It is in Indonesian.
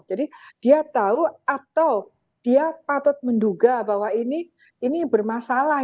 jadi dia tahu atau dia patut menduga bahwa ini bermasalah